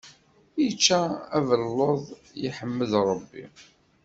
Ičča abelluḍ, yeḥmed Ṛebbi.